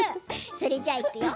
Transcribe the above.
それじゃあ、いくよ！